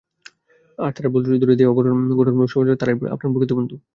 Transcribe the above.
তবে যাঁরা ভুলত্রুটি ধরিয়ে দিয়ে গঠনমূলক সমালোচনা করবে, তাঁরাই আপনার প্রকৃত বন্ধু।